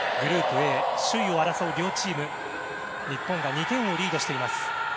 Ａ首位を争う両チーム日本が２点をリードしています。